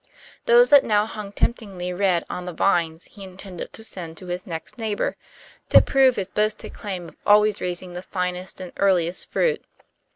Those that now hung temptingly red on the vines he intended to send to his next neighbour, to prove his boasted claim of always raising the finest and earliest fruit.